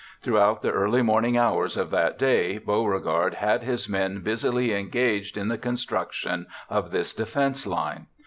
Throughout the early morning hours of that day Beauregard had his men busily engaged in the construction of this defense line.